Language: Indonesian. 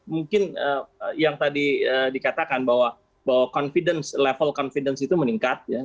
mungkin yang tadi dikatakan bahwa confidence level confidence itu meningkat ya